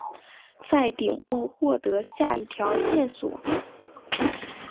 在顶部获得下一条线索。